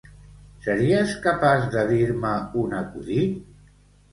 Series capaç de dir-me un acudit?